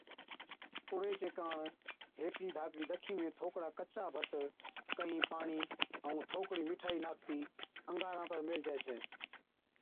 پُڙي چي ڪاڻ ھيڪ ڌاڪڙِي دکِي ۾ ٿوڪڙا ڪچا ڀت، ڪھِين پاڻِي ائُون ٿوڪڙِي مِٺائِي ناکتِي اڱاران پر ميھلجَي ڇَي